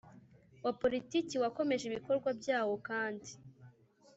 Wa politiki wakomeje ibikorwa byawo kandi